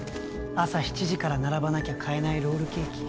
朝７時から並ばなきゃ買えないロールケーキ